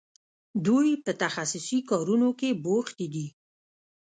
دوی په تخصصي کارونو کې بوختې دي.